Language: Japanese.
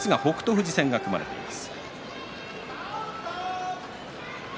富士戦が組まれています。